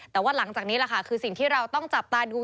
แต่ว่าหลังจากนี้แหละค่ะคือสิ่งที่เราต้องจับตาดู